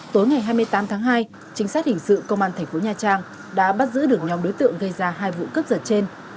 tối ngày hai mươi tám tháng hai chính sách hình sự công an thành phố nha trang đã bắt giữ được nhóm đối tượng gây ra hai vụ cấp giật trên